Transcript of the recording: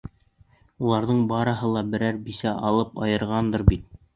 Уларҙың барыһы ла берәр бисә алып айырғандыр бит?